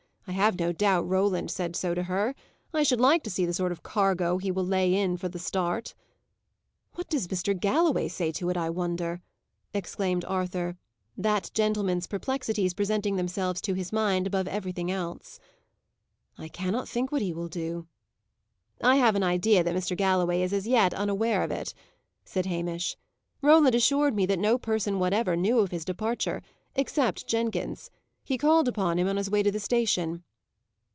I have no doubt Roland said so to her. I should like to see the sort of cargo he will lay in for the start." "What does Mr. Galloway say to it, I wonder?" exclaimed Arthur, that gentleman's perplexities presenting themselves to his mind above everything else. "I cannot think what he will do." "I have an idea that Mr. Galloway is as yet unaware of it," said Hamish. "Roland assured me that no person whatever knew of his departure, except Jenkins. He called upon him on his way to the station."